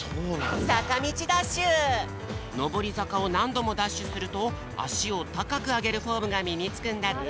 のぼりざかをなんどもダッシュするとあしをたかくあげるフォームがみにつくんだって！